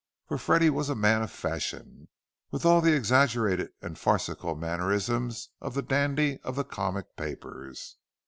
For Freddie was a man of fashion, with all the exaggerated and farcical mannerisms of the dandy of the comic papers.